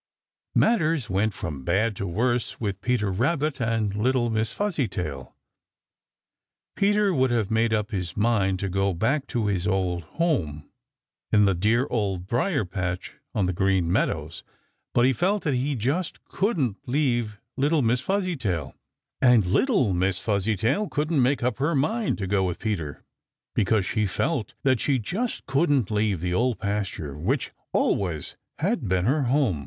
Matters went from bad to worse with Peter Rabbit and little Miss Fuzzytail. Peter would have made up his mind to go back to his old home in the dear Old Briar patch on the Green Meadows, but he felt that he just couldn't leave little Miss Fuzzytail, and little Miss Fuzzytail couldn't make up her mind to go with Peter, because she felt that she just couldn't leave the Old Pasture, which always had been her home.